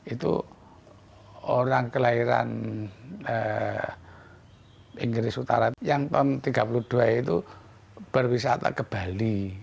itu orang kelahiran inggris utara yang tahun tiga puluh dua itu berwisata ke bali